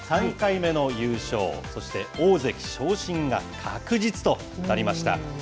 ３回目の優勝、そして、大関昇進が確実となりました。